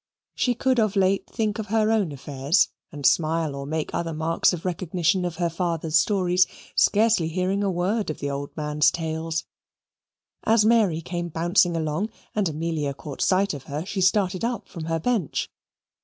She could of late think of her own affairs, and smile or make other marks of recognition of her father's stories, scarcely hearing a word of the old man's tales. As Mary came bouncing along, and Amelia caught sight of her, she started up from her bench.